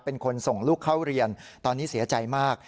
เป็นคนส่งลูกเข้าเรียนตอนนี้เสียใจมาก